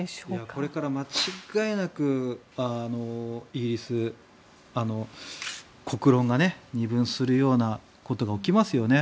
これから間違いなくイギリスは国論が二分するようなことが起きますよね。